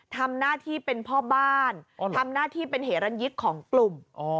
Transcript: ทำหน้าที่เป็นพ่อบ้านทำหน้าที่เป็นเหรันยิกของกลุ่ม